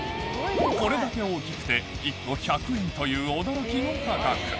これだけ大きくて１個１００円という驚きの価格